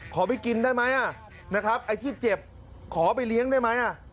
ไปกินได้ไหมนะครับไอ้ที่เจ็บขอไปเลี้ยงได้ไหม